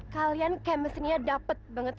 kalian chemistry nya dapet banget